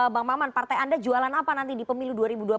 bang maman partai anda jualan apa nanti di pemilu dua ribu dua puluh